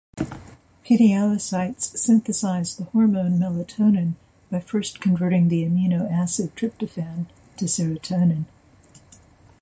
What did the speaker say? Pinealocytes synthesize the hormone melatonin by first converting the amino acid tryptophan to serotonin.